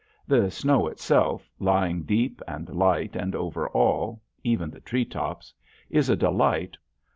The snow itself, lying deep and light and over all even the tree tops is a delight.